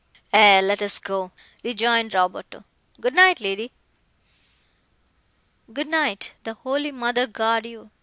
"Aye, let us go," rejoined Roberto. "Good night, lady." "Good night; the holy mother guard you!"